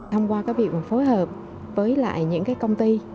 thông qua việc phối hợp với những công ty